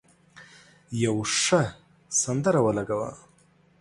یو ښه سندره ولګوه.